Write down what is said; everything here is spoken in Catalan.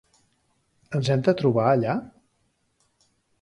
Ens hem de trobar allà?